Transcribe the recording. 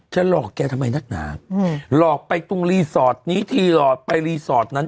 หลอกแกทำไมนักหนาหลอกไปตรงรีสอร์ทนี้ทีหลอดไปรีสอร์ทนั้น